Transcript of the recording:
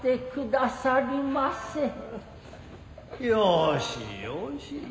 よしよし。